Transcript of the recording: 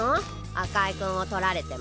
赤井君を取られても。